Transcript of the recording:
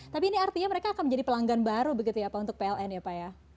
tapi ini artinya mereka akan menjadi pelanggan baru begitu ya pak untuk pln ya pak ya